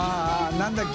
何だっけ？